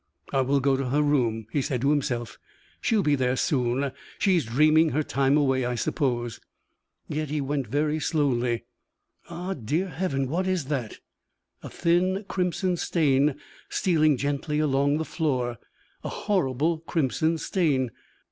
"I will go to her room," he said to himself, "she will be there soon; she is dreaming her time away, I suppose." Yet he went very slowly. Ah, dear Heaven! what is that? A thin, crimson stain stealing gently along the floor; a horrible crimson stain!